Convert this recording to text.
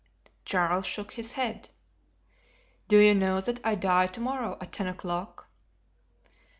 Charles shook his head. "Do you know that I die to morrow at ten o'clock?"